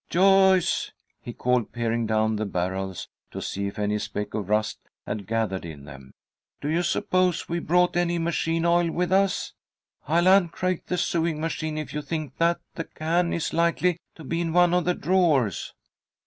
"Joyce," he called, peering down the barrels to see if any speck of rust had gathered in them, "do you suppose we brought any machine oil with us? I'll uncrate the sewing machine if you think that the can is likely to be in one of the drawers."